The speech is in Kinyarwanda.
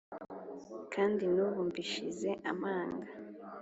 Kandi n' ubu mbishize amanga,